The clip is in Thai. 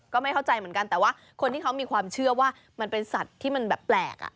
ก็ไม่เข้าใจเหมือนกันแต่ว่าคนที่เขามีความเชื่อว่ามันเป็นสัตว์ที่มันแบบแปลก